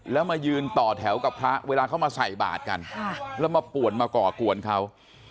แล้วมายืนต่อแถวกับพระเวลาเขามาใส่บาทกันแล้วมาป่วนมาก่อกวนเขา